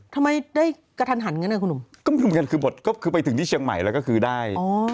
ก็ไม่รู้เหมือนกันคือบทก็คือไปถึงที่เชียงใหม่แล้วก็คือได้